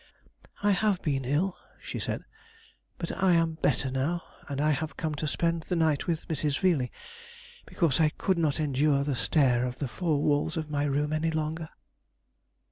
"I have been ill," she said; "but I am better now, and have come to spend the night with Mrs. Veeley, because I could not endure the stare of the four walls of my room any longer."